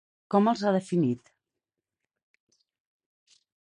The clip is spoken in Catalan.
Com els ha definit?